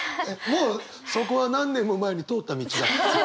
もうそこは何年も前に通った道だ。